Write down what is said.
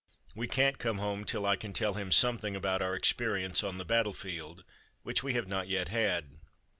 We can't come home till I can tell him something about our experience on the battlefield, which we have not yet had."